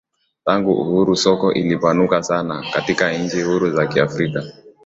Tangu uhuru soka lilipanuka sana katika nchi huru za Afrika